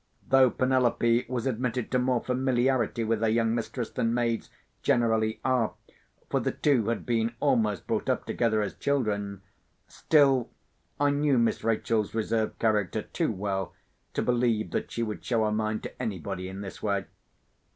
Though Penelope was admitted to more familiarity with her young mistress than maids generally are—for the two had been almost brought up together as children—still I knew Miss Rachel's reserved character too well to believe that she would show her mind to anybody in this way.